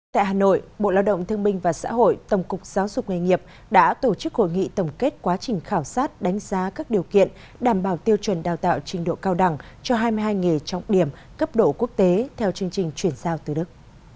tại hà nội bộ lao động thương minh và xã hội tổng cục giáo dục nghề nghiệp đã tổ chức hội nghị tổng kết quá trình khảo sát đánh giá các điều kiện đảm bảo tiêu chuẩn đào tạo trình độ cao đẳng cho hai mươi hai nghề trọng điểm cấp độ quốc tế theo chương trình chuyển giao từ đức